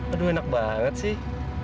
aduh enak banget sih